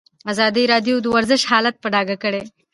ازادي راډیو د ورزش حالت په ډاګه کړی.